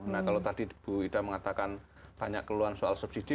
nah kalau tadi bu ida mengatakan banyak keluhan soal subsidi